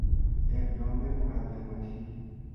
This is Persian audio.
اقدام مقدماتی